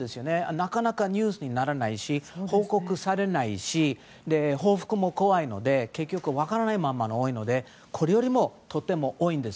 なかなかニュースにならないし報告されないし報復も怖いので分からないままが多いのでこれよりもとても多いんです。